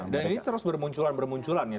dan ini terus bermunculan bermunculan ya